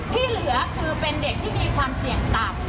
ที่เหลือคือเป็นเด็กที่มีความเสี่ยงต่ำ